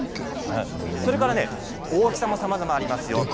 それから大きさもさまざまありますよ。